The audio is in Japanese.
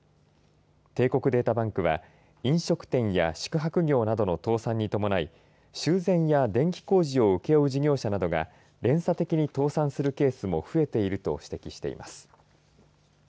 帝国データバンクは飲食店や宿泊業などの倒産に伴い修繕や電気工事を請け負う事業者などが連鎖的に倒産するケースも増えていると指摘します。